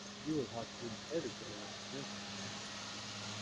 You'll have been educated like a gentleman?